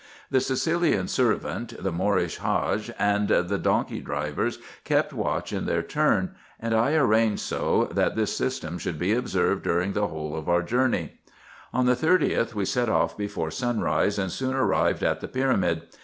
The Sicilian servant, the Moorish Hadge, and the donkey drivers, kept watch in their turn ; and I arranged so, that this system should be observed during the whole of our journey. On the 30th, we set off before sunrise, and soon arrived at the pyramid.